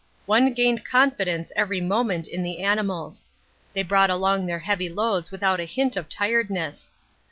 One gained confidence every moment in the animals; they brought along their heavy loads without a hint of tiredness.